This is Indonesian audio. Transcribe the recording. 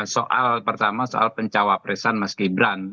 soal pertama soal pencawapresan mas gibran